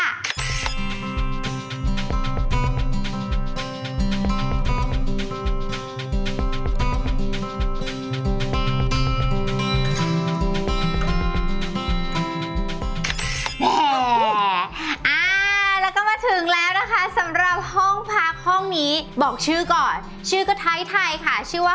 แหมแล้วก็มาถึงแล้วนะคะสำหรับห้องพักห้องนี้บอกชื่อก่อนชื่อก็ท้ายไทยค่ะชื่อว่า